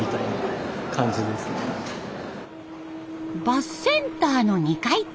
バスセンターの２階。